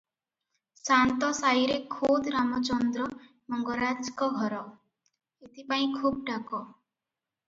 ସାଆନ୍ତ ସାଇରେ ଖୋଦ୍ ରାମଚନ୍ଦ୍ର ମଙ୍ଗରାଜଙ୍କ ଘର; ଏଥିପାଇଁ ଖୁବ୍ ଡାକ ।